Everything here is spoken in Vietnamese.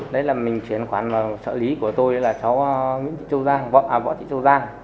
đấy là mình chuyển khoản vào sợ lý của tôi là cháu võ thị châu giang